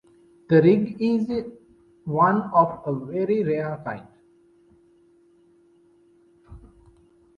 The rig is one of a very rare kind.